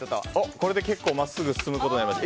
これで結構まっすぐ進むことになりました。